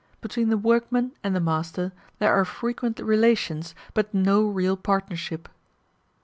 Between the workmen and the master there are frequent relations, but no real partnership.